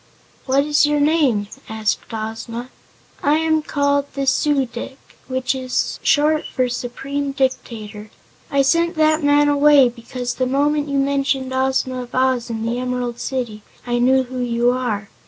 "What is your name?" asked Ozma. "I am called the Su dic, which is short for Supreme Dictator. I sent that man away because the moment you mentioned Ozma of Oz, and the Emerald City, I knew who you are.